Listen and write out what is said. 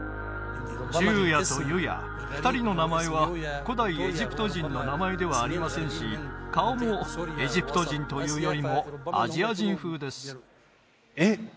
チュウヤとユヤ２人の名前は古代エジプト人の名前ではありませんし顔もエジプト人というよりもアジア人風ですえっ